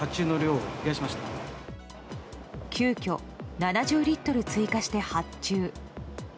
急きょ７０リットル追加して発注。